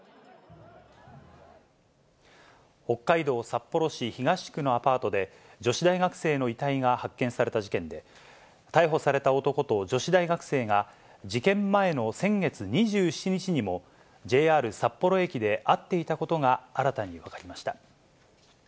北海道札幌市東区のアパートで、女子大学生の遺体が発見された事件で、逮捕された男と女子大学生が、事件前の先月２７日にも、ＪＲ札幌駅で会っていたことが新たに分かりました。